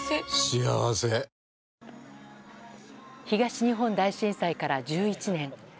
東日本大震災から１１年。